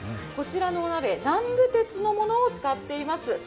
こちらのお鍋南部鉄のものを使っています。